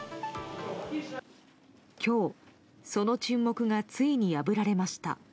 今日、その沈黙がついに破られました。